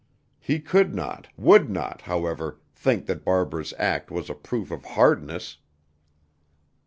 He could not, would not, however, think that Barbara's act was a proof of hardness.